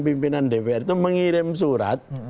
pimpinan dpr itu mengirim surat